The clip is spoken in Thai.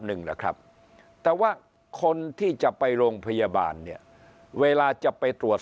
หนึ่งนะครับแต่ว่าคนที่จะไปโรงพยาบาลเนี่ยเวลาจะไปตรวจ